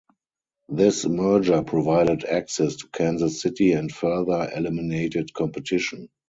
This merger provided access to Kansas City and further eliminated competition.